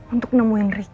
untuk nemuin ricky